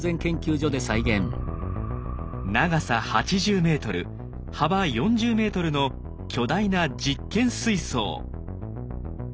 長さ８０ｍ幅４０ｍの巨大な実験水槽。